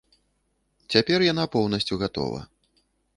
Цяпер яна поўнасцю гатова.